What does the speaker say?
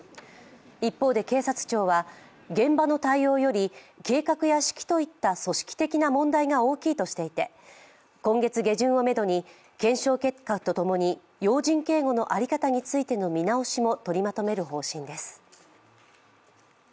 一方で、警察庁は現場の対応より計画や指揮といった組織的な問題が大きいとしていて今月下旬をめどに検証結果とともに要人警護の在り方についての見直しも取りまとめる方針です。